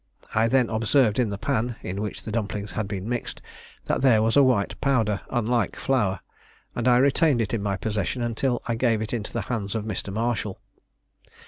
I then observed in the pan, in which the dumplings had been mixed, that there was a white powder, unlike flour, and I retained it in my possession until I gave it into the hands of Mr. Marshall.